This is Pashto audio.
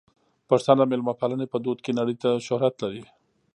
پښتانه د مېلمه پالنې په دود کې نړۍ ته شهرت لري.